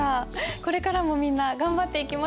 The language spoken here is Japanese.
これからもみんな頑張っていきましょう。